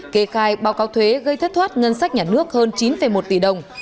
kê khai báo cáo thuế gây thất thoát ngân sách nhà nước hơn chín một tỷ đồng